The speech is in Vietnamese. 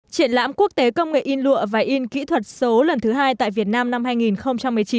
triển lãm quốc tế công nghệ in lụa và in kỹ thuật số lần thứ hai tại việt nam năm hai nghìn một mươi chín